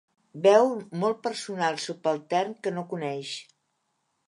Veu molt personal subaltern que no coneix.